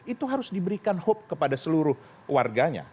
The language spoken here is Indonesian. itu harus diberikan hope kepada seluruh warganya